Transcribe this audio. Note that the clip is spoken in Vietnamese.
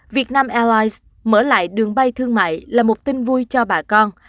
việt nam airlines mở lại đường bay thương mại là một tin vui cho bà con